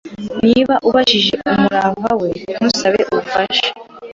Niba ubajije umurava we, ntusabe ubufasha.